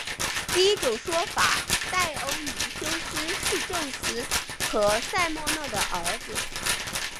第一种说法戴欧尼修斯是宙斯和塞墨勒的儿子。